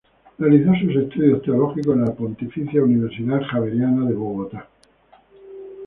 Realizó sus estudios teológicos en en la Pontificia Universidad Javeriana de Bogotá.